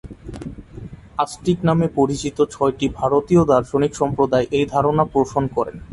আস্তিক নামে পরিচিত ছয়টি ভারতীয় দার্শনিক সম্প্রদায় এই ধারণা পোষণ করে।